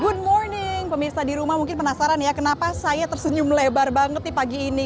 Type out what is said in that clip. good morning pemirsa di rumah mungkin penasaran ya kenapa saya tersenyum lebar banget di pagi ini